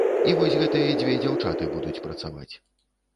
І вось гэтыя дзве дзяўчаты будуць працаваць.